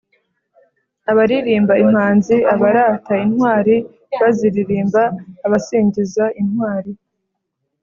abaririmba impanzi: abarata intwari baziririmba; abasingiza intwari